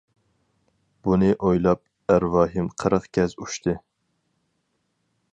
بۇنى ئويلاپ ئەرۋاھىم قىرىق گەز ئۇچتى.